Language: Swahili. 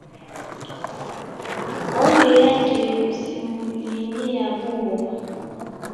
Honde ake isi hulimia buru.